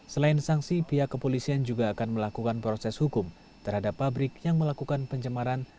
selain sanksi pihak kepolisian juga akan melakukan proses hukum terhadap pabrik yang melakukan pencemaran